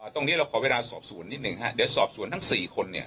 ตรงนี้เราขอเวลาสอบศูนย์นิดหนึ่งฮะเดี๋ยวสอบศูนย์ทั้งสี่คนเนี่ย